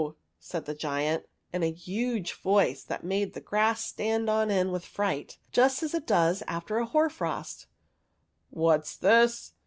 said the giant, in a huge voice that made the grass stand on end with fright, just as it does after a hoar frost; "what's * this